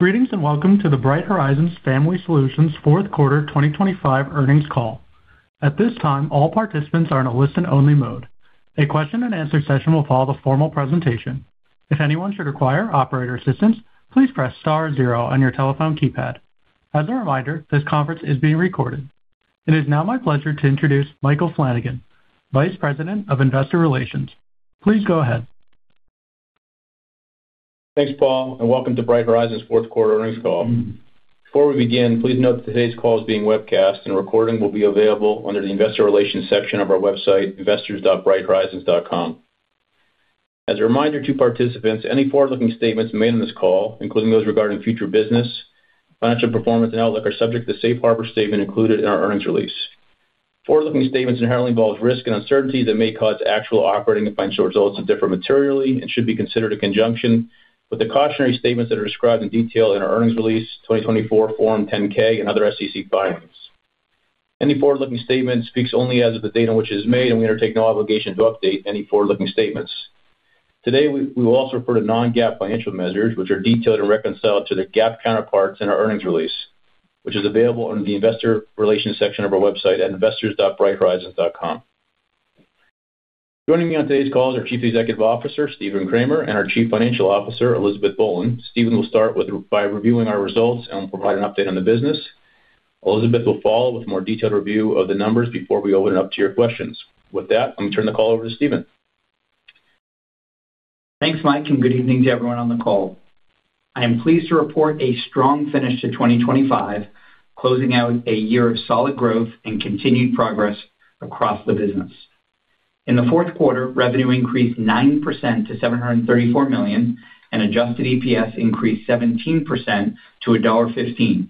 Greetings, and welcome to the Bright Horizons Family Solutions Q4 2025 Earnings Call. At this time, all participants are in a listen-only mode. A question-and-answer session will follow the formal presentation. If anyone should require operator assistance, please press star zero on your telephone keypad. As a reminder, this conference is being recorded. It is now my pleasure to introduce Michael Flanagan, Vice President of Investor Relations. Please go ahead. Thanks, Paul, and welcome to Bright Horizons' Q4 earnings call. Before we begin, please note that today's call is being webcast, and a recording will be available under the Investor Relations section of our website, investors.brighthorizons.com. As a reminder to participants, any forward-looking statements made on this call, including those regarding future business, financial performance, and outlook, are subject to the Safe Harbor Statement included in our earnings release. Forward-looking statements inherently involve risk and uncertainty that may cause actual operating and financial results to differ materially and should be considered in conjunction with the cautionary statements that are described in detail in our earnings release, 2024 Form 10-K and other SEC filings. Any forward-looking statement speaks only as of the date on which it is made, and we undertake no obligation to update any forward-looking statements. Today, we will also refer to non-GAAP financial measures, which are detailed and reconciled to their GAAP counterparts in our earnings release, which is available on the Investor Relations section of our website at investors.brighthorizons.com. Joining me on today's call is our Chief Executive Officer, Stephen Kramer, and our Chief Financial Officer, Elizabeth Boland. Stephen will start with, by reviewing our results and will provide an update on the business. Elizabeth will follow with a more detailed review of the numbers before we open it up to your questions. With that, let me turn the call over to Stephen. Thanks, Mike, and good evening to everyone on the call. I am pleased to report a strong finish to 2025, closing out a year of solid growth and continued progress across the business. In the Q4, revenue increased 9% to $734 million, and Adjusted EPS increased 17% to $1.15,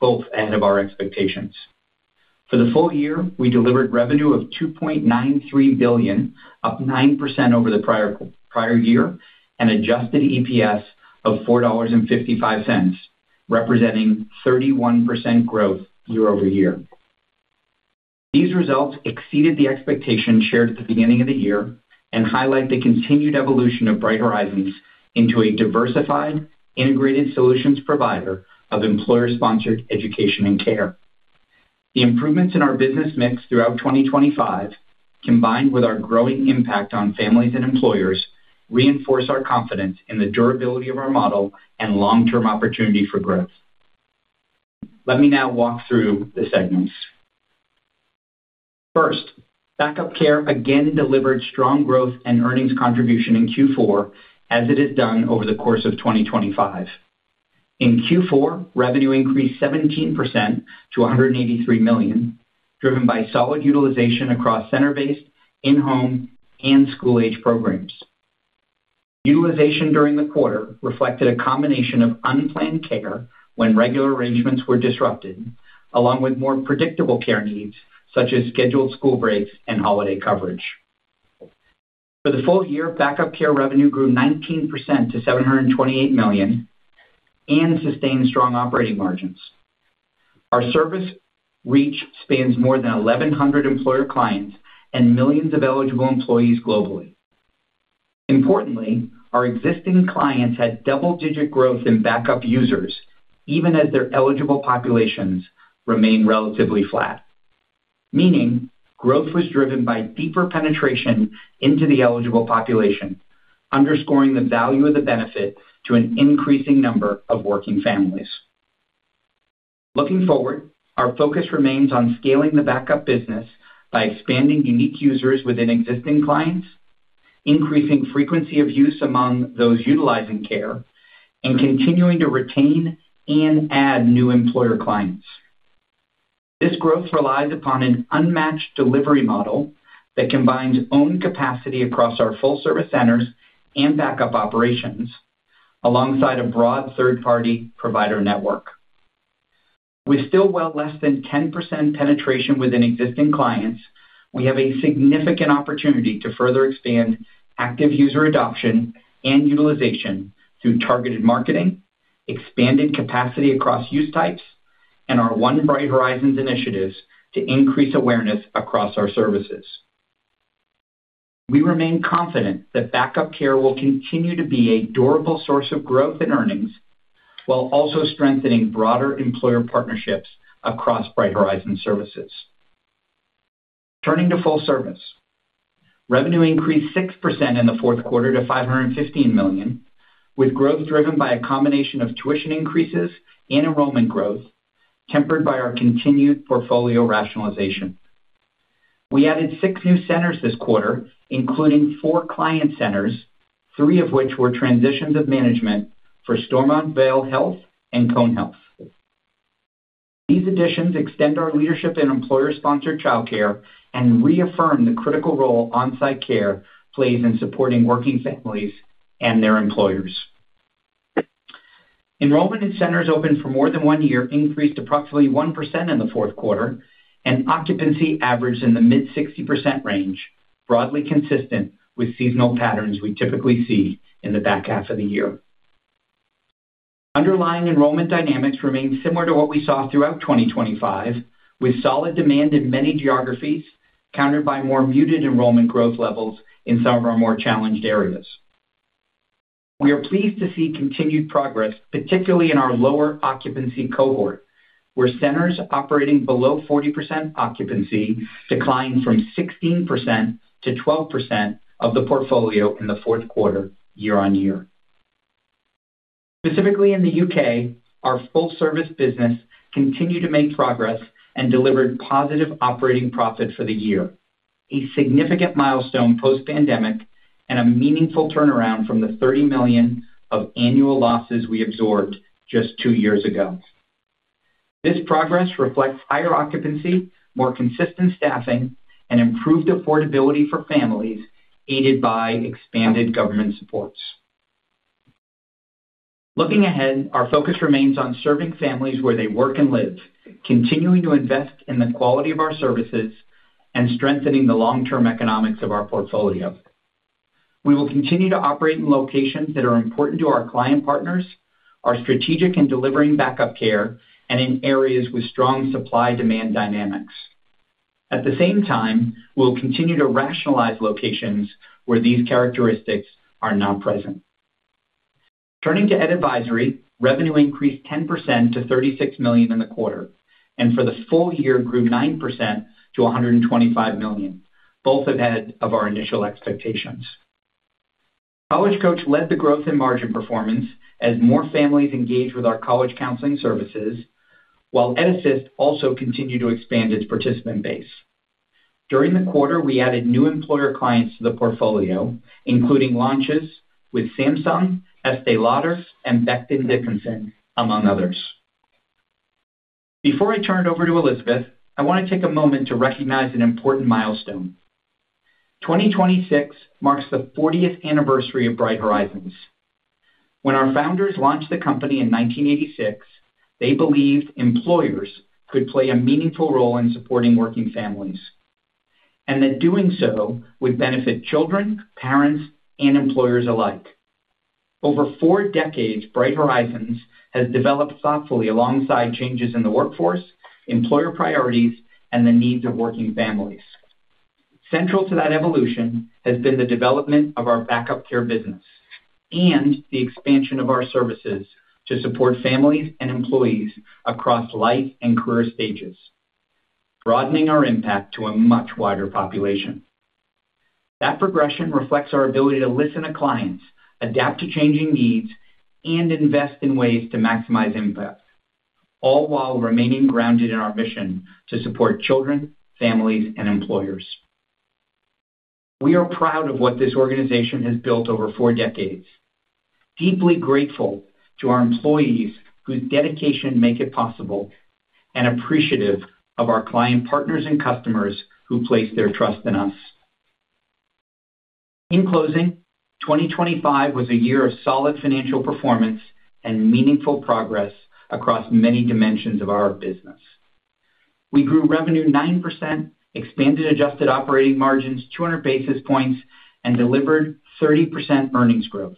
both ahead of our expectations. For the full year, we delivered revenue of $2.93 billion, up 9% over the prior, prior year, and Adjusted EPS of $4.55, representing 31% growth year-over-year. These results exceeded the expectation shared at the beginning of the year and highlight the continued evolution of Bright Horizons into a diversified, integrated solutions provider of employer-sponsored education and care. The improvements in our business mix throughout 2025, combined with our growing impact on families and employers, reinforce our confidence in the durability of our model and long-term opportunity for growth. Let me now walk through the segments. First, Back-Up Care again delivered strong growth and earnings contribution in Q4, as it has done over the course of 2025. In Q4, revenue increased 17% to $183 million, driven by solid utilization across center-based, in-home, and school-age programs. Utilization during the quarter reflected a combination of unplanned care when regular arrangements were disrupted, along with more predictable care needs, such as scheduled school breaks and holiday coverage. For the full year, Back-Up Care revenue grew 19% to $728 million and sustained strong operating margins. Our service reach spans more than 1,100 employer clients and millions of eligible employees globally. Importantly, our existing clients had double-digit growth in backup users, even as their eligible populations remained relatively flat, meaning growth was driven by deeper penetration into the eligible population, underscoring the value of the benefit to an increasing number of working families. Looking forward, our focus remains on scaling the backup business by expanding unique users within existing clients, increasing frequency of use among those utilizing care, and continuing to retain and add new employer clients. This growth relies upon an unmatched delivery model that combines own capacity across our Full Service centers and backup operations, alongside a broad third-party provider network. With still well less than 10% penetration within existing clients, we have a significant opportunity to further expand active user adoption and utilization through targeted marketing, expanding capacity across use types, and our One Bright Horizons initiatives to increase awareness across our services. We remain confident that Back-Up Care will continue to be a durable source of growth in earnings, while also strengthening broader employer partnerships across Bright Horizons services. Turning to Full Service. Revenue increased 6% in the Q4 to $515 million, with growth driven by a combination of tuition increases and enrollment growth, tempered by our continued Portfolio Rationalization. We added 6 new centers this quarter, including 4 client centers, 3 of which were transitions of management for Stormont Vail Health and Cone Health. These additions extend our leadership in employer-sponsored childcare and reaffirm the critical role on-site care plays in supporting working families and their employers. Enrollment in centers open for more than 1 year increased approximately 1% in the Q4, and occupancy averaged in the mid-60% range, broadly consistent with seasonal patterns we typically see in the back half of the year. Underlying enrollment dynamics remained similar to what we saw throughout 2025, with solid demand in many geographies... countered by more muted enrollment growth levels in some of our more challenged areas. We are pleased to see continued progress, particularly in our lower occupancy cohort, where centers operating below 40% occupancy declined from 16% to 12% of the portfolio in the Q4, year-on-year. Specifically, in the U.K., our Full Service business continued to make progress and delivered positive operating profit for the year, a significant milestone post-pandemic, and a meaningful turnaround from the $30 million of annual losses we absorbed just 2 years ago. This progress reflects higher occupancy, more consistent staffing, and improved affordability for families, aided by expanded government supports. Looking ahead, our focus remains on serving families where they work and live, continuing to invest in the quality of our services and strengthening the long-term economics of our portfolio. We will continue to operate in locations that are important to our client partners, are strategic in delivering Back-Up Care, and in areas with strong supply-demand dynamics. At the same time, we'll continue to rationalize locations where these characteristics are not present. Turning to Ed Advisory, revenue increased 10% to $36 million in the quarter, and for the full year, grew 9% to $125 million, both ahead of our initial expectations. College Coach led the growth in margin performance as more families engaged with our college counseling services, while EdAssist also continued to expand its participant base. During the quarter, we added new employer clients to the portfolio, including launches with Samsung, Estée Lauder, and Becton Dickinson, among others. Before I turn it over to Elizabeth, I want to take a moment to recognize an important milestone. 2026 marks the fortieth anniversary of Bright Horizons. When our founders launched the company in 1986, they believed employers could play a meaningful role in supporting working families, and that doing so would benefit children, parents, and employers alike. Over four decades, Bright Horizons has developed thoughtfully alongside changes in the workforce, employer priorities, and the needs of working families. Central to that evolution has been the development of our Back-Up Care business and the expansion of our services to support families and employees across life and career stages, broadening our impact to a much wider population. That progression reflects our ability to listen to clients, adapt to changing needs, and invest in ways to maximize impact, all while remaining grounded in our mission to support children, families, and employers. We are proud of what this organization has built over four decades, deeply grateful to our employees, whose dedication make it possible, and appreciative of our client partners and customers who place their trust in us. In closing, 2025 was a year of solid financial performance and meaningful progress across many dimensions of our business. We grew revenue 9%, expanded adjusted operating margins 200 basis points, and delivered 30% earnings growth.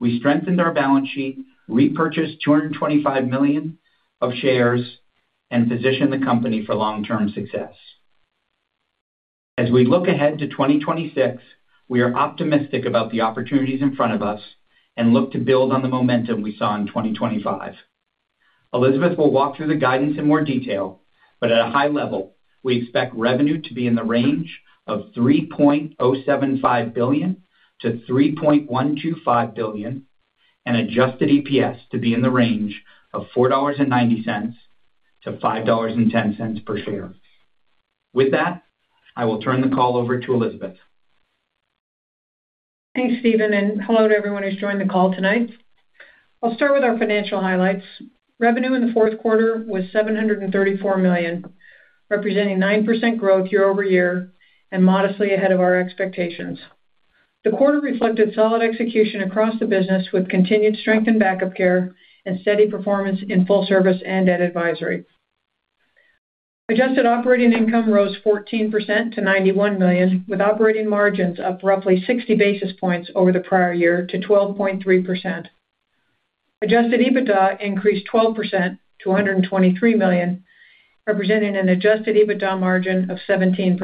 We strengthened our balance sheet, repurchased $225 million of shares, and positioned the company for long-term success. As we look ahead to 2026, we are optimistic about the opportunities in front of us and look to build on the momentum we saw in 2025. Elizabeth will walk through the guidance in more detail, but at a high level, we expect revenue to be in the range of $3.075 billion-$3.125 billion, and adjusted EPS to be in the range of $4.90-$5.10 per share. With that, I will turn the call over to Elizabeth. Thanks, Stephen, and hello to everyone who's joined the call tonight. I'll start with our financial highlights. Revenue in the Q4 was $734 million, representing 9% growth year-over-year and modestly ahead of our expectations. The quarter reflected solid execution across the business, with continued strength in Back-Up Care and steady performance in Full Service and Ed Advisory. Adjusted operating income rose 14% to $91 million, with operating margins up roughly 60 basis points over the prior year to 12.3%. Adjusted EBITDA increased 12% to $123 million, representing an adjusted EBITDA margin of 17%.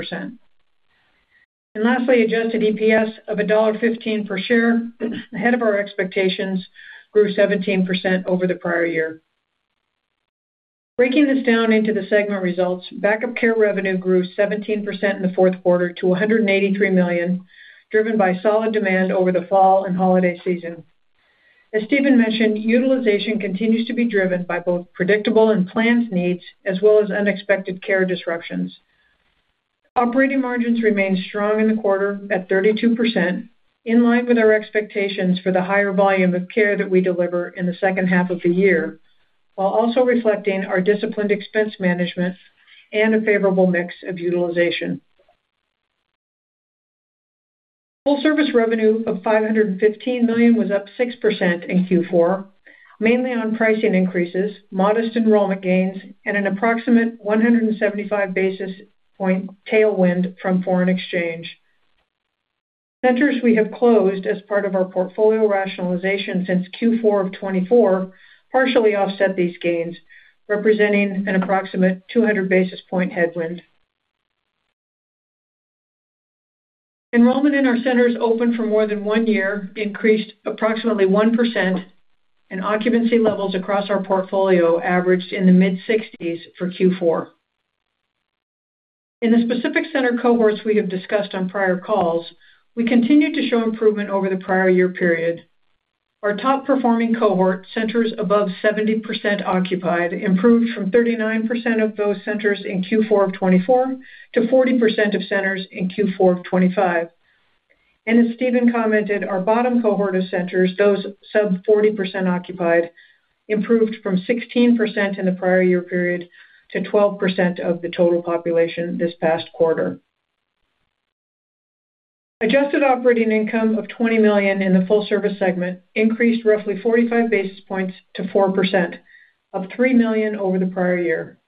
And lastly, adjusted EPS of $1.15 per share, ahead of our expectations, grew 17% over the prior year. Breaking this down into the segment results, Back-Up Care revenue grew 17% in the fQ4 to $183 million, driven by solid demand over the fall and holiday season. As Stephen mentioned, utilization continues to be driven by both predictable and planned needs, as well as unexpected care disruptions. Operating margins remained strong in the quarter at 32%, in line with our expectations for the higher volume of care that we deliver in the second half of the year, while also reflecting our disciplined expense management and a favorable mix of utilization. Full Service revenue of $515 million was up 6% in Q4, mainly on pricing increases, modest enrollment gains, and an approximate 175 basis point tailwind from foreign exchange. Centers we have closed as part of our portfolio rationalization since Q4 of 2024, partially offset these gains, representing an approximate 200 basis points headwind. Enrollment in our centers open for more than one year increased approximately 1%, and occupancy levels across our portfolio averaged in the mid-60s% for Q4. In the specific center cohorts we have discussed on prior calls, we continued to show improvement over the prior year period. Our top-performing cohort, centers above 70% occupied, improved from 39% of those centers in Q4 of 2024 to 40% of centers in Q4 of 2025. As Stephen commented, our bottom cohort of centers, those sub-40% occupied, improved from 16% in the prior year period to 12% of the total population this past quarter. Adjusted operating income of $20 million in the Full Service segment increased roughly 45 basis points to 4%, up $3 million over the prior year.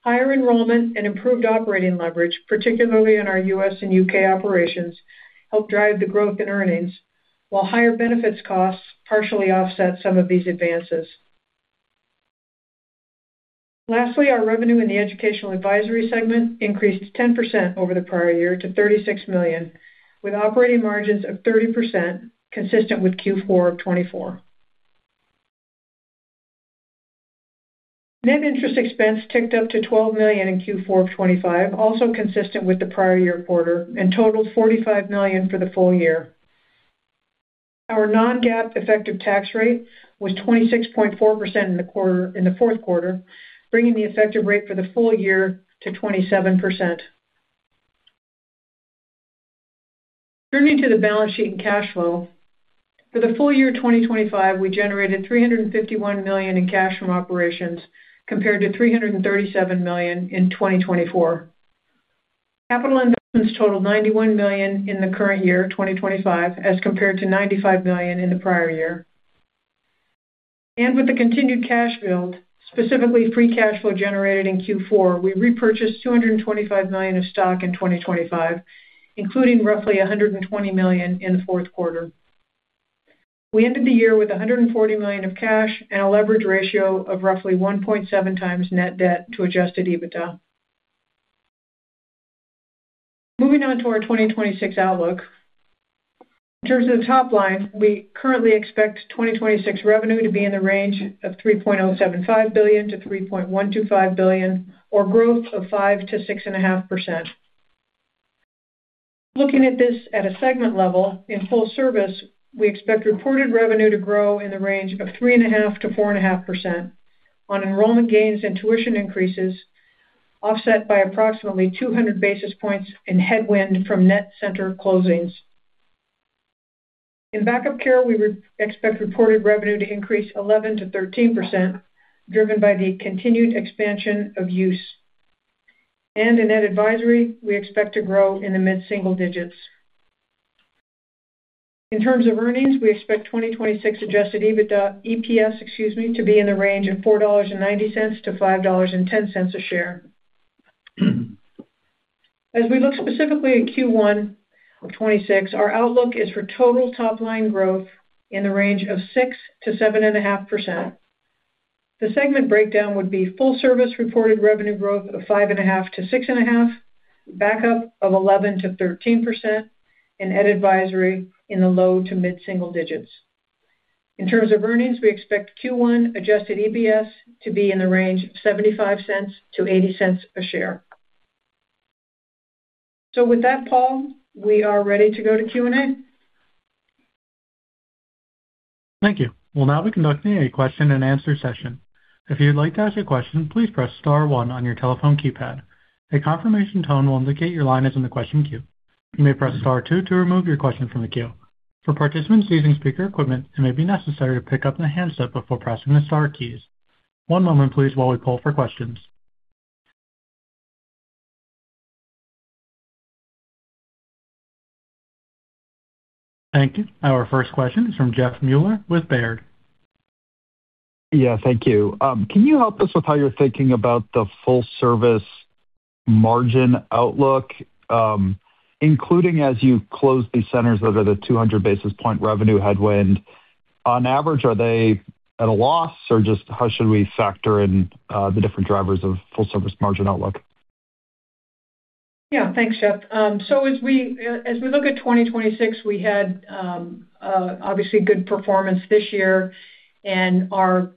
Higher enrollment and improved operating leverage, particularly in our U.S. and U.K. operations, helped drive the growth in earnings, while higher benefits costs partially offset some of these advances. Lastly, our revenue in the Educational Advisory segment increased 10% over the prior year to $36 million, with operating margins of 30%, consistent with Q4 of 2024. Net interest expense ticked up to $12 million in Q4 of 2025, also consistent with the prior year quarter, and totaled $45 million for the full year. Our non-GAAP effective tax rate was 26.4% in the quarter, in the Q4, bringing the effective rate for the full year to 27%. Turning to the balance sheet and cash flow. For the full year 2025, we generated $351 million in cash from operations, compared to $337 million in 2024. Capital investments totaled $91 million in the current year, 2025, as compared to $95 million in the prior year. And with the continued cash build, specifically free cash flow generated in Q4, we repurchased $225 million of stock in 2025, including roughly $120 million in the Q4. We ended the year with $140 million of cash and a leverage ratio of roughly 1.7x net debt to Adjusted EBITDA. Moving on to our 2026 outlook. In terms of the top line, we currently expect 2026 revenue to be in the range of $3.075 billion-$3.125 billion, or 5%-6.5% growth. Looking at this at a segment level, in Full Service, we expect reported revenue to grow in the range of 3.5%-4.5% on enrollment gains and tuition increases, offset by approximately 200 basis points headwind from net center closings. In Back-Up Care, we expect reported revenue to increase 11%-13%, driven by the continued expansion of use. In Ed Advisory, we expect to grow in the mid-single digits. In terms of earnings, we expect 2026 adjusted EBITDA, EPS, excuse me, to be in the range of $4.90-$5.10 a share. As we look specifically at Q1 of 2026, our outlook is for total top-line growth in the range of 6%-7.5%. The segment breakdown would be Full Service reported revenue growth of 5.5%-6.5%, Backup of 11%-13%, and Ed Advisory in the low to mid-single digits. In terms of earnings, we expect Q1 adjusted EPS to be in the range of $0.75-$0.80 a share. So with that, Paul, we are ready to go to Q&A. Thank you. We'll now be conducting a question-and-answer session. If you'd like to ask a question, please press star one on your telephone keypad. A confirmation tone will indicate your line is in the question queue. You may press star two to remove your question from the queue. For participants using speaker equipment, it may be necessary to pick up the handset before pressing the star keys. One moment please while we poll for questions. Thank you. Our first question is from Jeff Meuler with Baird. Yeah, thank you. Can you help us with how you're thinking about the Full Service margin outlook, including as you close these centers that are the 200 basis point revenue headwind? On average, are they at a loss, or just how should we factor in the different drivers of Full Service margin outlook? Yeah. Thanks, Jeff. So as we look at 2026, we had obviously good performance this year and are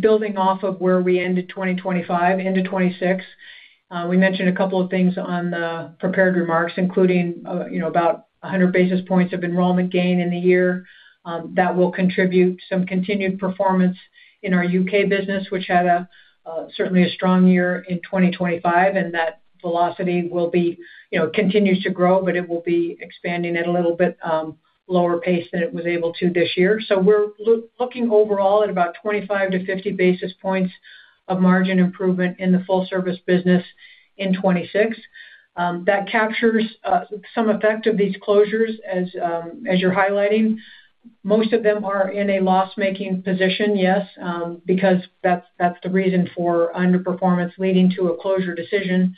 building off of where we ended 2025 into 2026. We mentioned a couple of things on the prepared remarks, including you know, about 100 basis points of enrollment gain in the year. That will contribute some continued performance in our UK business, which had a certainly a strong year in 2025, and that velocity will be, you know, continues to grow, but it will be expanding at a little bit lower pace than it was able to this year. So we're looking overall at about 25-50 basis points of margin improvement in the Full Service business in 2026. That captures some effect of these closures as you're highlighting. Most of them are in a loss-making position, yes, because that's, that's the reason for underperformance leading to a closure decision.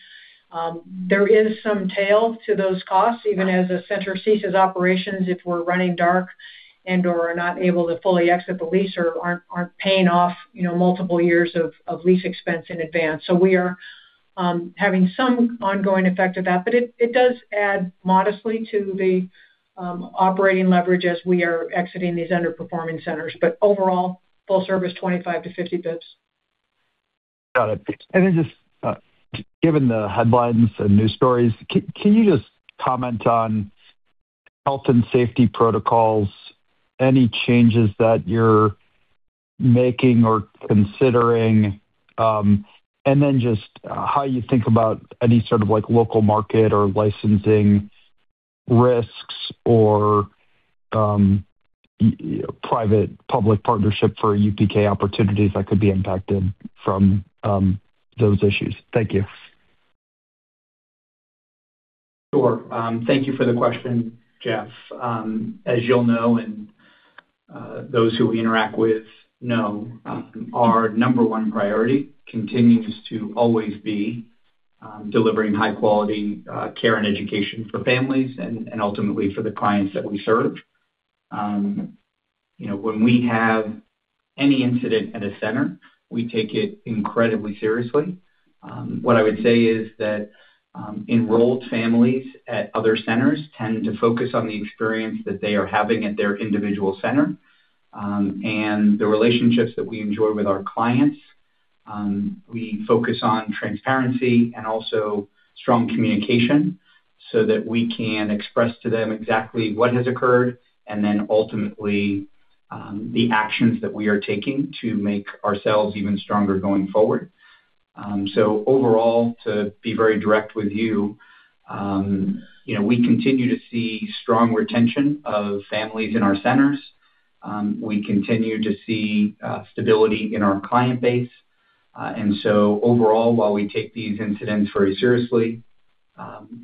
There is some tail to those costs, even as a center ceases operations, if we're running dark and/or are not able to fully exit the lease or aren't, aren't paying off, you know, multiple years of, of lease expense in advance. So we are having some ongoing effect of that, but it, it does add modestly to the operating leverage as we are exiting these underperforming centers. But overall, Full Service, 25-50 basis points. Got it. And then just, given the headlines and news stories, can you just comment on health and safety protocols, any changes that you're making or considering, and then just how you think about any sort of, like, local market or licensing risks or, private-public partnership for UPK opportunities that could be impacted from, those issues? Thank you. Sure. Thank you for the question, Jeff. As you'll know, and, those who we interact with know, our number one priority continues to always be, delivering high-quality, care and education for families and, and ultimately for the clients that we serve. You know, when we have any incident at a center, we take it incredibly seriously. What I would say is that, enrolled families at other centers tend to focus on the experience that they are having at their individual center, and the relationships that we enjoy with our clients. We focus on transparency and also strong communication so that we can express to them exactly what has occurred and then ultimately, the actions that we are taking to make ourselves even stronger going forward. So overall, to be very direct with you, you know, we continue to see strong retention of families in our centers. We continue to see stability in our client base. And so overall, while we take these incidents very seriously,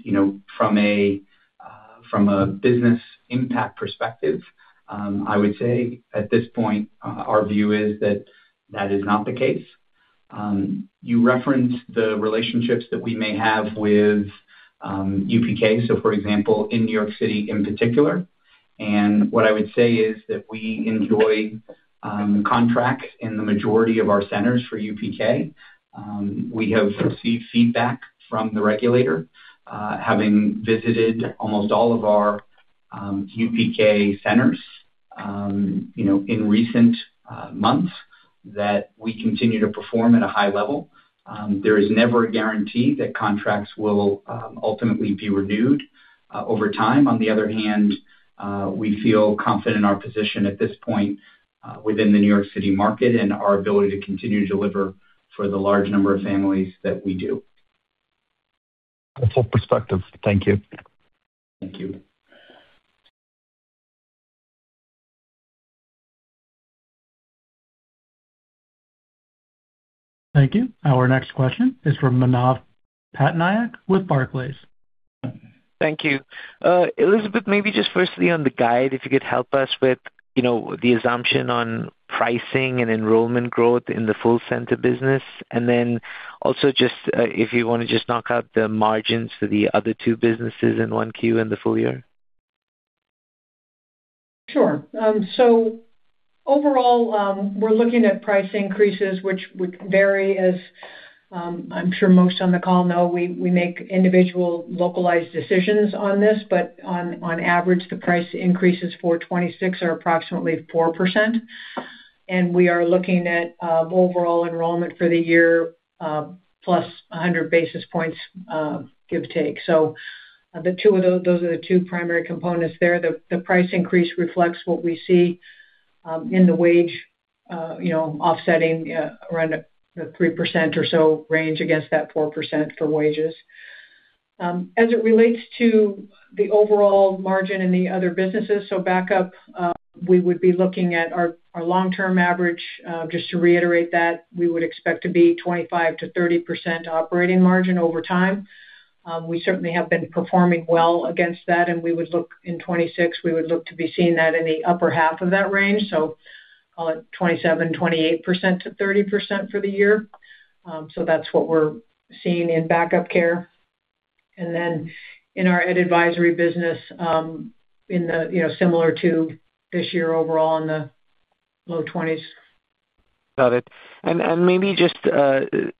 you know, from a business impact perspective, I would say at this point, our view is that that is not the case. You referenced the relationships that we may have with UPK, so for example, in New York City in particular, and what I would say is that we enjoy contract in the majority of our centers for UPK. We have received feedback from the regulator, having visited almost all of our UPK centers, you know, in recent months, that we continue to perform at a high level. There is never a guarantee that contracts will ultimately be renewed over time. On the other hand, we feel confident in our position at this point within the New York City market and our ability to continue to deliver for the large number of families that we do. A full perspective. Thank you. Thank you. Thank you. Our next question is from Manav Patnaik with Barclays. Thank you. Elizabeth, maybe just firstly on the guide, if you could help us with, you know, the assumption on pricing and enrollment growth in the full center business. And then also just, if you wanna just knock out the margins for the other two businesses in one Q in the full year. Sure. So overall, we're looking at price increases, which would vary as, I'm sure most on the call know, we, we make individual localized decisions on this, but on average, the price increases for 2026 are approximately 4%. And we are looking at overall enrollment for the year plus 100 basis points, give or take. So the two of those. Those are the two primary components there. The price increase reflects what we see in the wage, you know, offsetting around a 3% or so range against that 4% for wages. As it relates to the overall margin in the other businesses, so backup, we would be looking at our long-term average. Just to reiterate that, we would expect to be 25%-30% operating margin over time. We certainly have been performing well against that, and we would look, in 2026, we would look to be seeing that in the upper half of that range, so 27%-28% to 30% for the year. So that's what we're seeing in Back-Up Care. And then in our Ed Advisory business, in the, you know, similar to this year overall in the low 20s. Got it. And, and maybe just,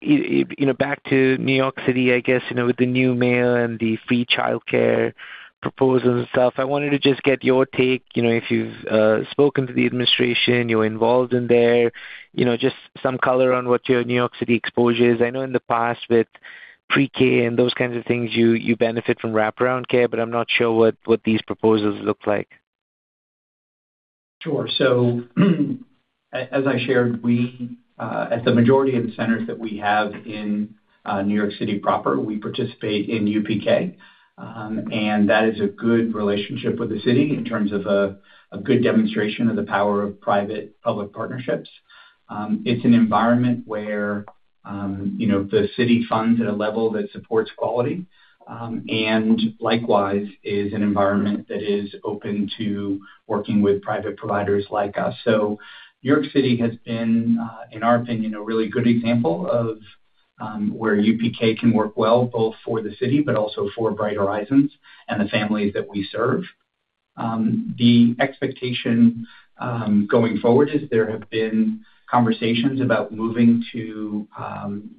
you know, back to New York City, I guess, you know, with the new mayor and the free childcare proposals and stuff, I wanted to just get your take, you know, if you've spoken to the administration, you're involved in there, you know, just some color on what your New York City exposure is. I know in the past with pre-K and those kinds of things, you benefit from wraparound care, but I'm not sure what these proposals look like. Sure. So, as I shared, we at the majority of the centers that we have in New York City proper, we participate in UPK. And that is a good relationship with the city in terms of a good demonstration of the power of private-public partnerships. It's an environment where, you know, the city funds at a level that supports quality, and likewise, is an environment that is open to working with private providers like us. So New York City has been, in our opinion, a really good example of where UPK can work well, both for the city but also for Bright Horizons and the families that we serve. The expectation going forward is there have been conversations about moving to,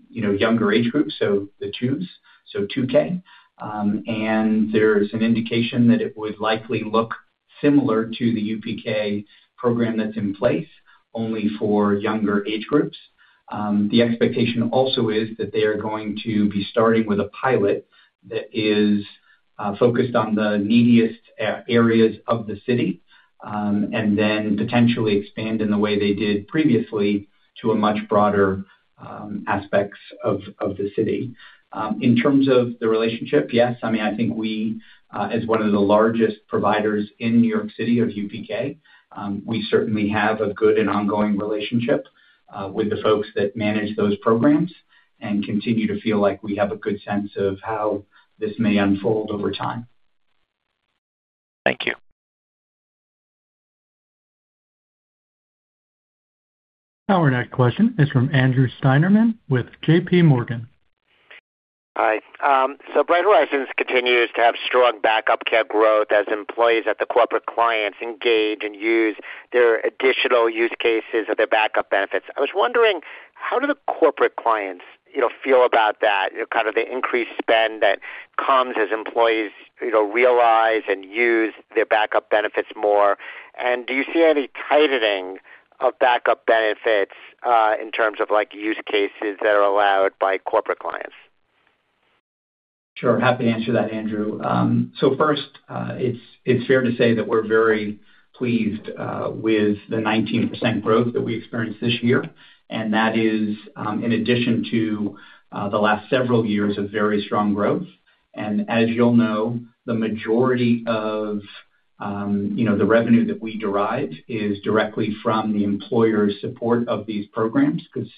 you know, younger age groups, so the twos, so 2K. And there's an indication that it would likely look similar to the UPK program that's in place, only for younger age groups. The expectation also is that they are going to be starting with a pilot that is focused on the neediest areas of the city, and then potentially expand in the way they did previously to a much broader aspects of the city. In terms of the relationship, yes, I mean, I think we as one of the largest providers in New York City of UPK, we certainly have a good and ongoing relationship with the folks that manage those programs and continue to feel like we have a good sense of how this may unfold over time. Thank you. Our next question is from Andrew Steinerman with JP Morgan. Hi. So Bright Horizons continues to have strong Back-Up Care growth as employees at the corporate clients engage and use their additional use cases or their backup benefits. I was wondering, how do the corporate clients, you know, feel about that, kind of the increased spend that comes as employees, you know, realize and use their backup benefits more? And do you see any tightening of backup benefits, in terms of, like, use cases that are allowed by corporate clients? Sure. Happy to answer that, Andrew. So first, it's fair to say that we're very pleased with the 19% growth that we experienced this year, and that is in addition to the last several years of very strong growth. As you all know, the majority of, you know, the revenue that we derive is directly from the employer support of these programs, 'cause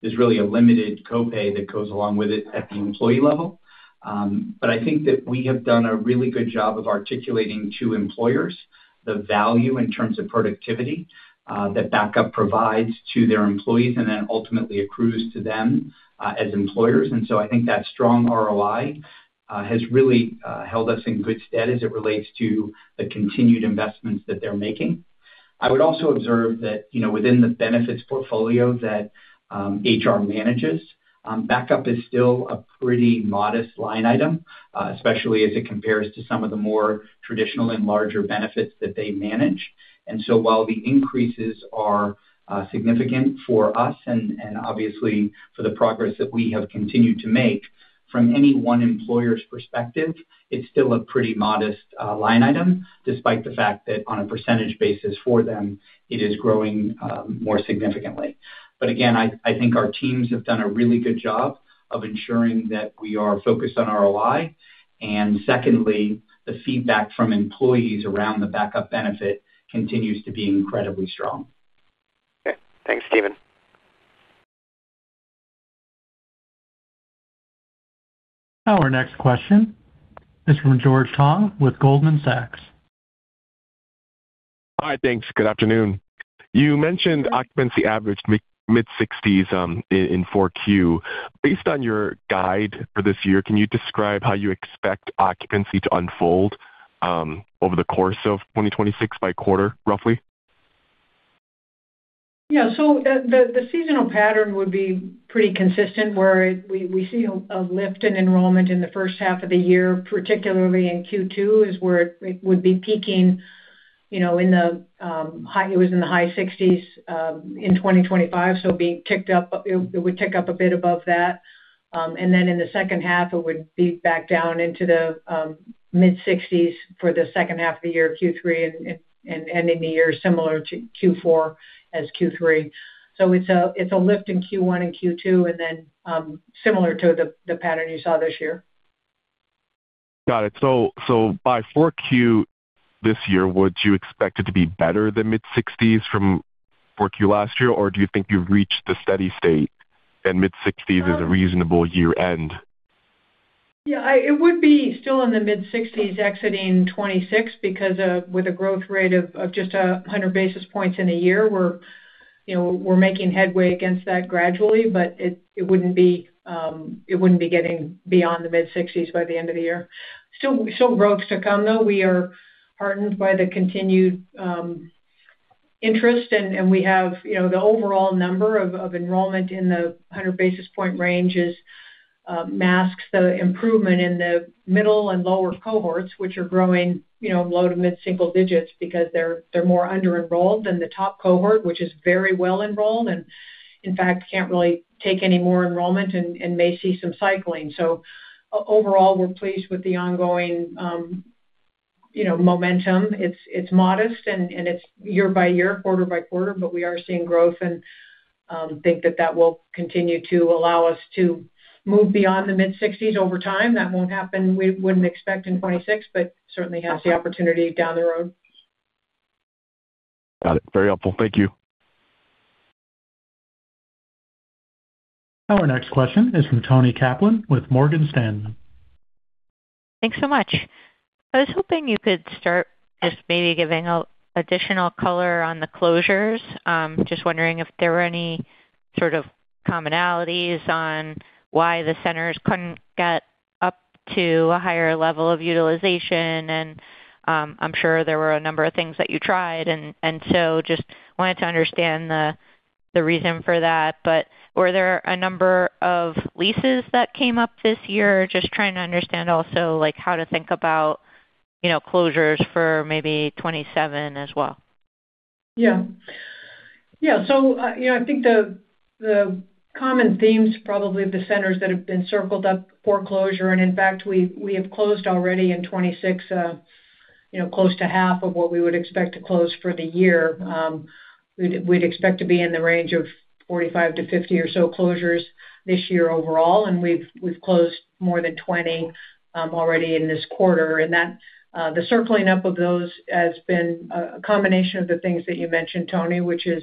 there's really a limited copay that goes along with it at the employee level. But I think that we have done a really good job of articulating to employers the value in terms of productivity that backup provides to their employees and then ultimately accrues to them as employers. So I think that strong ROI has really held us in good stead as it relates to the continued investments that they're making. I would also observe that, you know, within the benefits portfolio that HR manages, backup is still a pretty modest line item, especially as it compares to some of the more traditional and larger benefits that they manage. And so while the increases are significant for us and obviously for the progress that we have continued to make, from any one employer's perspective, it's still a pretty modest line item, despite the fact that on a percentage basis for them, it is growing more significantly. But again, I think our teams have done a really good job of ensuring that we are focused on ROI. And secondly, the feedback from employees around the backup benefit continues to be incredibly strong. Okay. Thanks, Stephen. Our next question is from George Tong with Goldman Sachs. Hi, thanks. Good afternoon. You mentioned occupancy average mid-sixties in Q4. Based on your guide for this year, can you describe how you expect occupancy to unfold over the course of 2026 by quarter, roughly? Yeah. So the seasonal pattern would be pretty consistent, where we see a lift in enrollment in the first half of the year, particularly in Q2, is where it would be peaking, you know, in the high 60s in 2025, so it would tick up a bit above that. And then in the second half, it would be back down into the mid-60s for the second half of the year, Q3, and ending the year similar to Q3 as Q4. So it's a lift in Q1 and Q2, and then similar to the pattern you saw this year. Got it. So, so by Q4 this year, would you expect it to be better than mid-sixties from Q4 last year? Or do you think you've reached the steady state and mid-sixties is a reasonable year-end? Yeah, it would be still in the mid-sixties, exiting 2026, because with a growth rate of just 100 basis points in a year, we're, you know, we're making headway against that gradually, but it wouldn't be getting beyond the mid-sixties by the end of the year. Still, growth to come, though. We are heartened by the continued interest, and we have, you know, the overall number of enrollment in the 100 basis point range masks the improvement in the middle and lower cohorts, which are growing, you know, low to mid-single digits because they're more under-enrolled than the top cohort, which is very well enrolled and, in fact, can't really take any more enrollment and may see some cycling. So overall, we're pleased with the ongoing, you know, momentum. It's modest and it's year by year, quarter-by-quarter, but we are seeing growth and think that that will continue to allow us to move beyond the mid-sixties over time. That won't happen, we wouldn't expect in 2026, but certainly has the opportunity down the road. Got it. Very helpful. Thank you. Our next question is from Toni Kaplan with Morgan Stanley. Thanks so much. I was hoping you could start just maybe giving a additional color on the closures. Just wondering if there were any sort of commonalities on why the centers couldn't get up to a higher level of utilization, and, I'm sure there were a number of things that you tried, and, and so just wanted to understand the, the reason for that. But were there a number of leases that came up this year? Just trying to understand also, like, how to think about, you know, closures for maybe 27 as well. Yeah. Yeah, so, you know, I think the common themes, probably the centers that have been circled up for closure, and in fact, we have closed already in 2026, you know, close to half of what we would expect to close for the year. We'd expect to be in the range of 45-50 or so closures this year overall, and we've closed more than 20 already in this quarter. And that, the circling up of those has been a combination of the things that you mentioned, Toni, which is,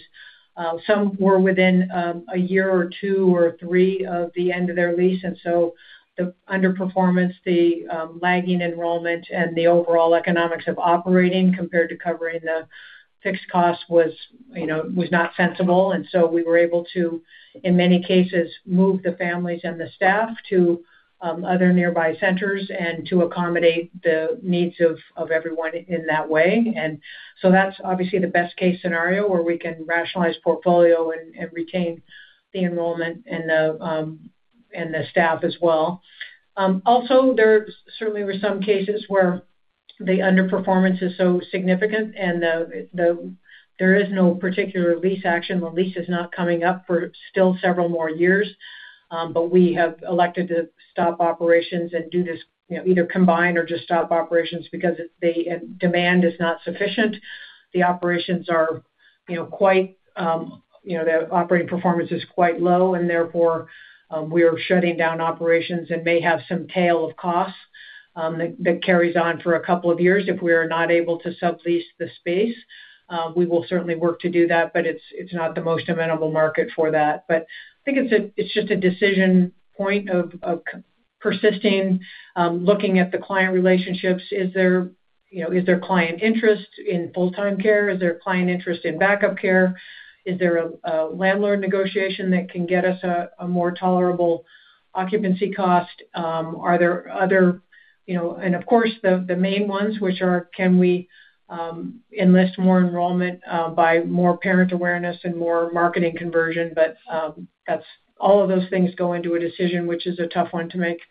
some were within a year or two or three of the end of their lease. And so the underperformance, the lagging enrollment, and the overall economics of operating compared to covering the fixed cost was, you know, was not sensible. We were able to, in many cases, move the families and the staff to other nearby centers and to accommodate the needs of everyone in that way. That's obviously the best case scenario where we can rationalize portfolio and retain the enrollment and the staff as well. Also, there certainly were some cases where the underperformance is so significant and there is no particular lease action. The lease is not coming up for still several more years. But we have elected to stop operations and do this, you know, either combine or just stop operations because it's the demand is not sufficient. The operations are, you know, quite, you know, the operating performance is quite low, and therefore, we're shutting down operations and may have some tail of costs, that carries on for a couple of years if we're not able to sublease the space. We will certainly work to do that, but it's not the most amenable market for that. But I think it's just a decision point of persisting, looking at the client relationships. Is there, you know, is there client interest in full-time care? Is there client interest in Back-Up Care? Is there a landlord negotiation that can get us a more tolerable occupancy cost? Are there other, you know... And of course, the main ones, which are, can we enlist more enrollment by more parent awareness and more marketing conversion? But that's all of those things go into a decision, which is a tough one to make.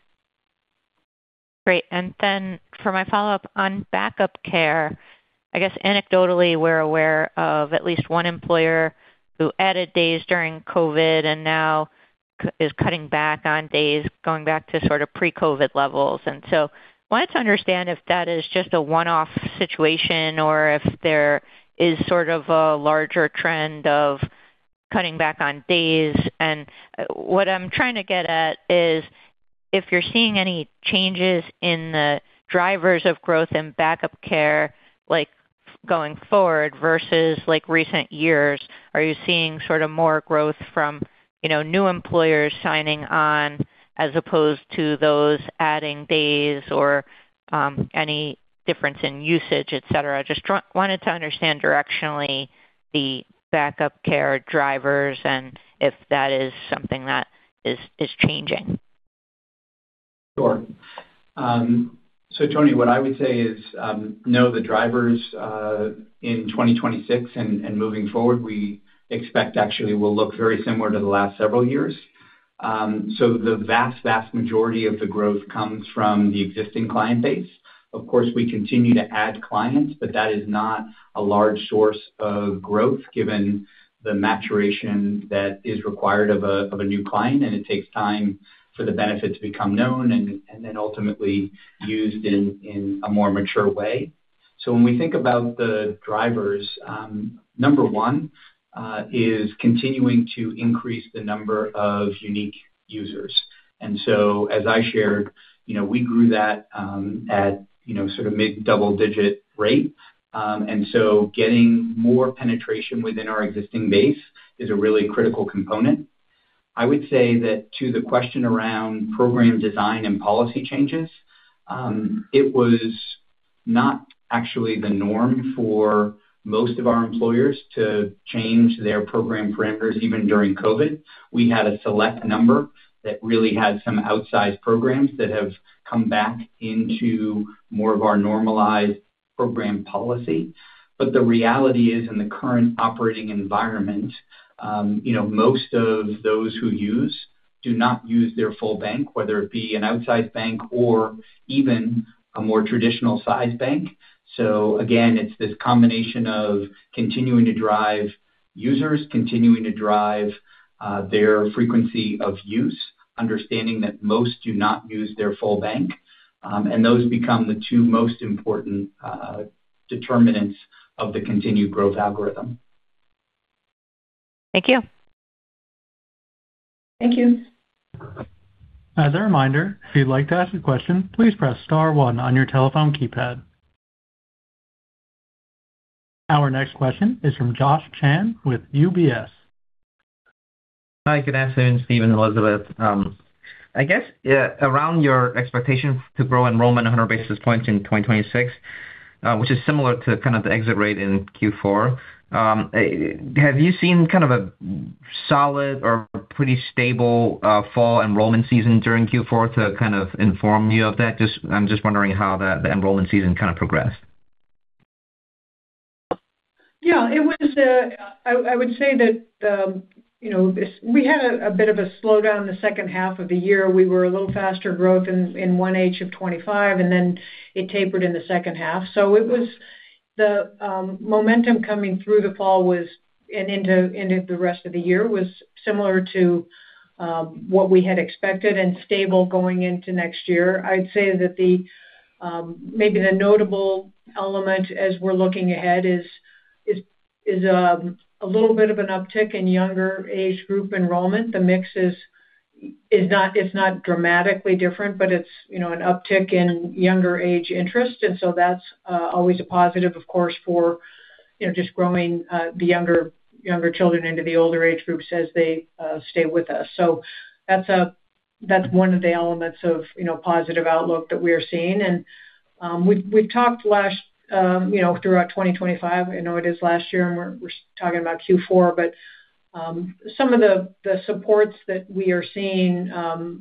Great. And then for my follow-up, on Back-Up Care, I guess anecdotally, we're aware of at least one employer who added days during COVID and now is cutting back on days, going back to sort of pre-COVID levels. And so wanted to understand if that is just a one-off situation or if there is sort of a larger trend of cutting back on days. And what I'm trying to get at is, if you're seeing any changes in the drivers of growth in Back-Up Care, like, going forward versus, like, recent years, are you seeing sort of more growth from, you know, new employers signing on as opposed to those adding days or any difference in usage, et cetera? Just wanted to understand directionally the Back-Up Care drivers and if that is something that is changing. Sure. So Toni, what I would say is, know the drivers in 2026 and moving forward, we expect actually will look very similar to the last several years. So the vast, vast majority of the growth comes from the existing client base. Of course, we continue to add clients, but that is not a large source of growth given the maturation that is required of a new client, and it takes time for the benefit to become known and then ultimately used in a more mature way. So when we think about the drivers, number one is continuing to increase the number of unique users. And so, as I shared, you know, we grew that at, you know, sort of mid-double-digit rate. And so getting more penetration within our existing base is a really critical component. I would say that to the question around program design and policy changes, it was not actually the norm for most of our employers to change their program parameters, even during COVID. We had a select number that really had some outsized programs that have come back into more of our normalized program policy. But the reality is, in the current operating environment, you know, most of those who use do not use their full bank, whether it be an outside bank or even a more traditional size bank. So again, it's this combination of continuing to drive users, continuing to drive their frequency of use, understanding that most do not use their full bank, and those become the two most important determinants of the continued growth algorithm. Thank you. Thank you. As a reminder, if you'd like to ask a question, please press star one on your telephone keypad.... Our next question is from Josh Chan with UBS. Hi, good afternoon, Stephen and Elizabeth. I guess, around your expectations to grow enrollment 100 basis points in 2026, which is similar to kind of the exit rate in Q4. Have you seen kind of a solid or pretty stable, fall enrollment season during Q4 to kind of inform you of that? I'm just wondering how the enrollment season kind of progressed. Yeah, it was, I would say that, you know, we had a bit of a slowdown in the second half of the year. We were a little faster growth in one age of 25, and then it tapered in the second half. So it was the momentum coming through the fall was, and into the rest of the year, was similar to what we had expected and stable going into next year. I'd say that the maybe the notable element as we're looking ahead is a little bit of an uptick in younger age group enrollment. The mix is not dramatically different, but it's, you know, an uptick in younger age interest, and so that's always a positive, of course, for, you know, just growing the younger, younger children into the older age groups as they stay with us. So that's one of the elements of, you know, positive outlook that we're seeing. And we've talked last, you know, throughout 2025. I know it is last year, and we're talking about Q4, but some of the supports that we are seeing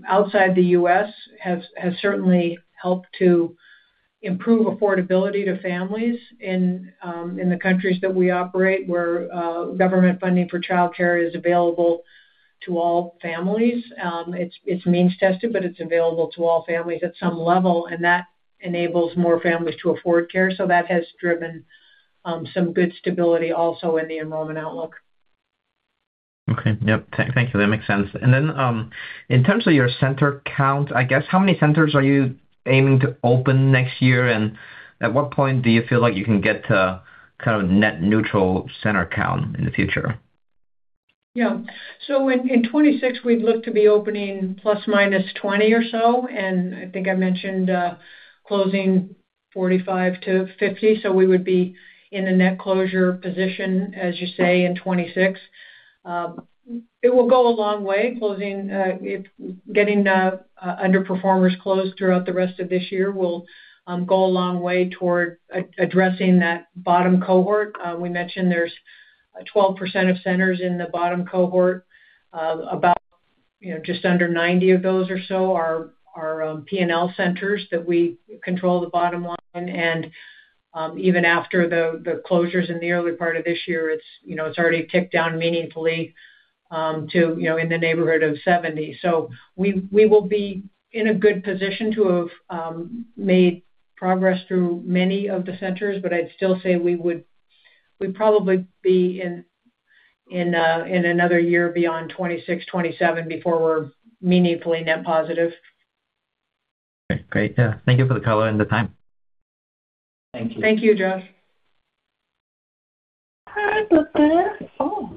outside the U.S. has certainly helped to improve affordability to families in the countries that we operate, where government funding for childcare is available to all families. It's means tested, but it's available to all families at some level, and that enables more families to afford care. So that has driven some good stability also in the enrollment outlook. Okay. Yep. Thank you. That makes sense. And then, in terms of your center count, I guess, how many centers are you aiming to open next year? And at what point do you feel like you can get to kind of net neutral center count in the future? Yeah. So in 2026, we'd look to be opening ±20 or so, and I think I mentioned closing 45-50, so we would be in a net closure position, as you say, in 2026. It will go a long way, closing, getting the underperformers closed throughout the rest of this year will go a long way toward addressing that bottom cohort. We mentioned there's 12% of centers in the bottom cohort, about, you know, just under 90 of those or so are P&L centers that we control the bottom line. And even after the closures in the early part of this year, it's, you know, it's already ticked down meaningfully to, you know, in the neighborhood of 70. So we will be in a good position to have made progress through many of the centers, but I'd still say we would—we'd probably be in another year beyond 2026, 2027, before we're meaningfully net positive. Okay, great. Yeah. Thank you for the color and the time. Thank you, Josh.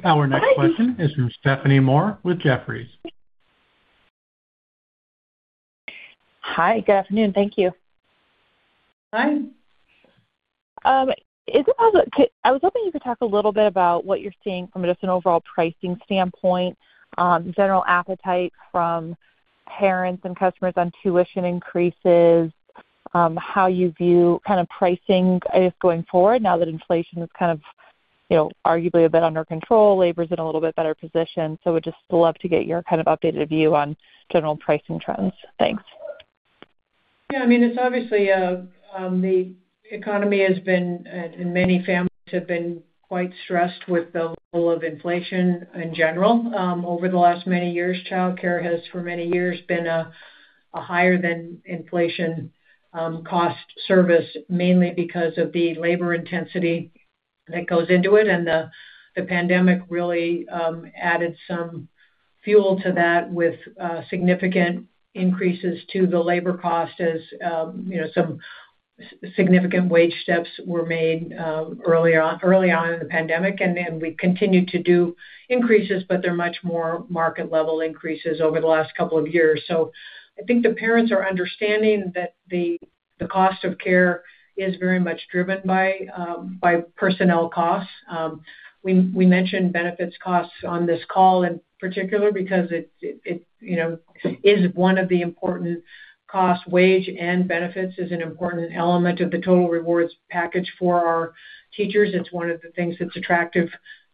Our next question is from Stephanie Moore with Jefferies. Hi, good afternoon. Thank you. Hi. Is it possible? I was hoping you could talk a little bit about what you're seeing from just an overall pricing standpoint, general appetite from parents and customers on tuition increases, how you view kind of pricing as going forward now that inflation is kind of, you know, arguably a bit under control, labor's in a little bit better position. So would just love to get your kind of updated view on general pricing trends. Thanks. Yeah, I mean, it's obviously the economy has been, and many families have been quite stressed with the level of inflation in general. Over the last many years, childcare has, for many years, been a higher than inflation cost service, mainly because of the labor intensity that goes into it. And the pandemic really added some fuel to that with significant increases to the labor cost as, you know, some significant wage steps were made earlier on, early on in the pandemic. And then we continued to do increases, but they're much more market-level increases over the last couple of years. So I think the parents are understanding that the cost of care is very much driven by personnel costs. We mentioned benefits costs on this call, in particular, because it you know is one of the important costs. Wage and benefits is an important element of the total rewards package for our teachers. It's one of the things that's attractive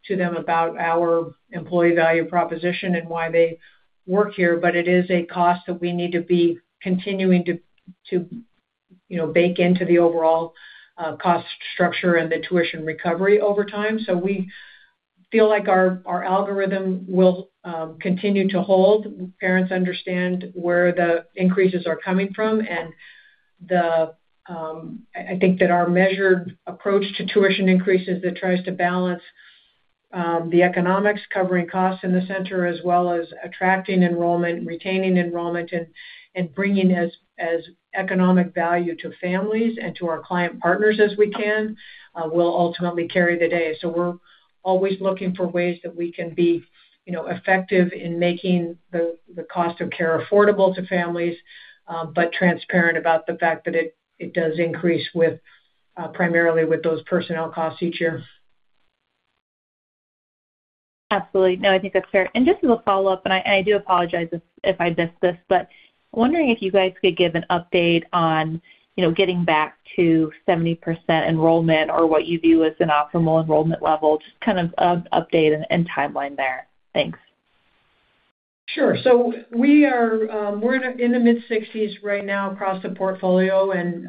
to them about our employee value proposition and why they work here, but it is a cost that we need to be continuing to you know bake into the overall cost structure and the tuition recovery over time. So we feel like our algorithm will continue to hold. Parents understand where the increases are coming from. I think that our measured approach to tuition increases that tries to balance the economics, covering costs in the center, as well as attracting enrollment, retaining enrollment, and bringing as economic value to families and to our client partners as we can will ultimately carry the day. So we're always looking for ways that we can be, you know, effective in making the cost of care affordable to families, but transparent about the fact that it does increase with primarily with those personnel costs each year.... Absolutely. No, I think that's fair. And just as a follow-up, and I do apologize if I missed this, but wondering if you guys could give an update on, you know, getting back to 70% enrollment or what you view as an optimal enrollment level, just kind of an update and timeline there. Thanks. Sure. So we are in the mid-60s right now across the portfolio, and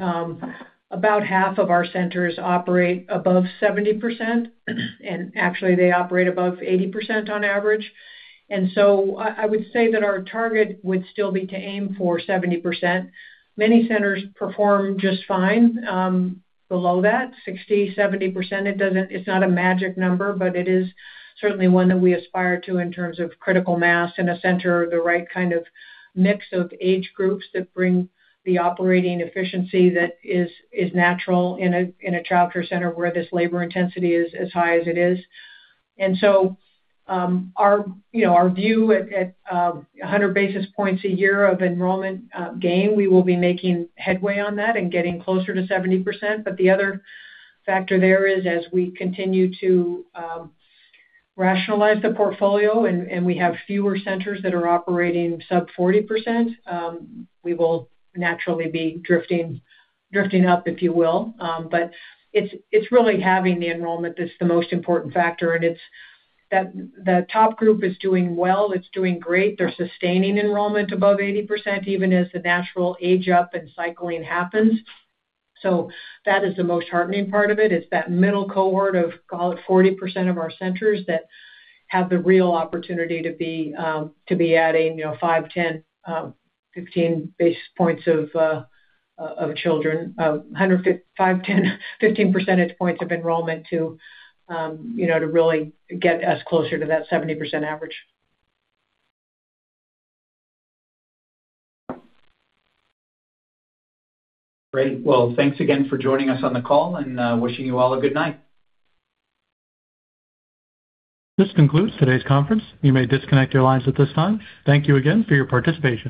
about half of our centers operate above 70%, and actually, they operate above 80% on average. And so I would say that our target would still be to aim for 70%. Many centers perform just fine below that, 60%-70%. It's not a magic number, but it is certainly one that we aspire to in terms of critical mass in a center, the right kind of mix of age groups that bring the operating efficiency that is natural in a childcare center where this labor intensity is as high as it is. You know, our view at 100 basis points a year of enrollment gain, we will be making headway on that and getting closer to 70%. But the other factor there is, as we continue to rationalize the portfolio and we have fewer centers that are operating sub 40%, we will naturally be drifting up, if you will. But it's really having the enrollment that's the most important factor, and it's that the top group is doing well, it's doing great. They're sustaining enrollment above 80%, even as the natural age up and cycling happens. So that is the most heartening part of it, is that middle cohort of, call it 40% of our centers, that have the real opportunity to be, to be adding, you know, 5, 10, 15 basis points of, of children. Hundred and fifty, 5, 10, 15 percentage points of enrollment to, you know, to really get us closer to that 70% average. Great. Well, thanks again for joining us on the call, and wishing you all a good night. This concludes today's conference. You may disconnect your lines at this time. Thank you again for your participation.